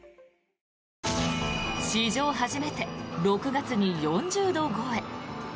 史上初めて６月に４０度超え。